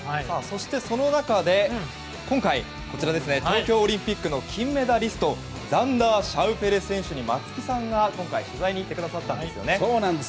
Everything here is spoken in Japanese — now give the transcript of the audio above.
その中で、今回東京オリンピックの金メダリストザンダー・シャウフェレ選手に松木さんが取材に行ってくださったんですよね。